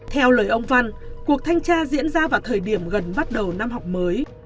theo lời ông văn cuộc thanh tra diễn ra vào thời điểm gần bắt đầu năm học mới